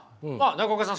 中岡さん